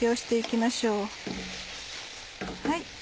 はい。